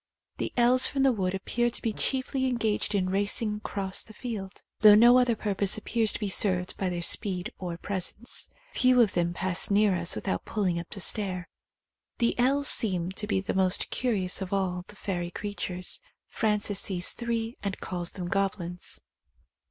The elves from the wood appear to be chiefly engaged in racing across the field, though no other purpose appears to be served by their speed or presence. Few of them pass near us without pulling up to stare. The elves seem to be the most curious of all 117 THE COMING OF THE FAIRIES the fairy creatures. Frances sees three and calls them goblins.